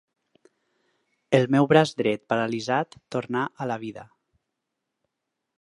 El meu braç dret paralitzat tornà a la vida